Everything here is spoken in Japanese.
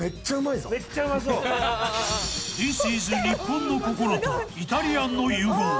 ［ディスイズ日本の心とイタリアンの融合。